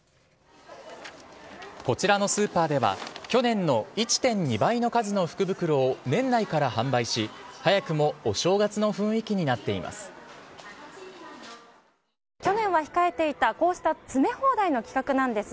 こちらのスーパーでは、去年の１．２倍の数の福袋を年内から販売し、早くもお正月の雰囲気になっています。